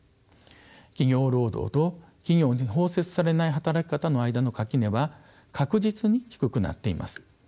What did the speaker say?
企業労働と企業に包摂されない働き方の間の垣根は確実に低くなっています。